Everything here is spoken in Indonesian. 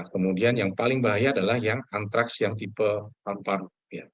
kemudian yang paling bahaya adalah yang antraks yang tipe paru paru